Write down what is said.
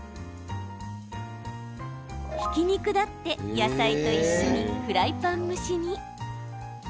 ひき肉だって野菜と一緒にフライパン蒸しに。